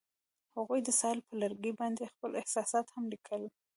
هغوی د ساحل پر لرګي باندې خپل احساسات هم لیکل.